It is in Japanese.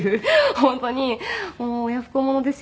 本当にもう親不孝者ですよね。